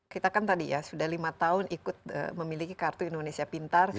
kita kan tadi ya sudah lima tahun ikut memiliki kartu indonesia pintar